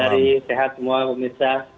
bapak dari sehat semua bapak misa